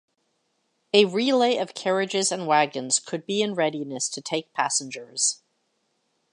A relay of carriages and wagons could be in readiness to take passengers.